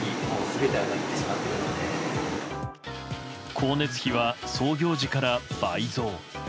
光熱費は、創業時から倍増。